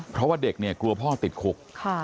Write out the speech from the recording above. เพราะว่าเด็กเนี่ยกลัวพ่อติดคุก